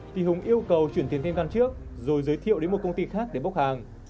thì hùng yêu cầu chuyển tiền thêm căn trước rồi giới thiệu đến một công ty khác để bốc hàng